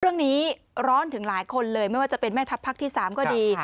เรื่องนี้ร้อนถึงหลายคนเลยไม่ว่าจะเป็นแม่ทัพพักที่๓ก็ดี